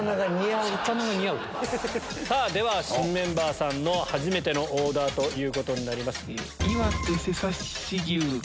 では新メンバーさんの初めてのオーダーになります。